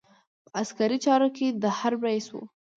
په عسکري چارو کې د حرب رئیس وو.